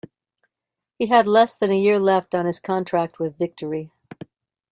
He had less than a year left on his contract with Victory.